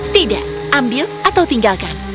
tidak ambil atau tinggalkan